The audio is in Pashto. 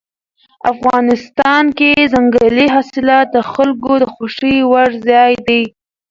افغانستان کې ځنګلي حاصلات د خلکو د خوښې وړ ځای دی.